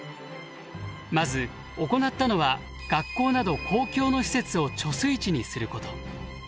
まず行ったのは学校など公共の施設を貯水池にすること。